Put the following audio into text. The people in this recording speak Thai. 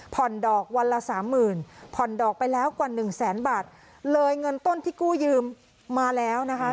ดอกวันละสามหมื่นผ่อนดอกไปแล้วกว่าหนึ่งแสนบาทเลยเงินต้นที่กู้ยืมมาแล้วนะคะ